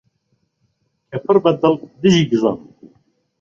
کە پڕبەدڵ دژی گزەم؟!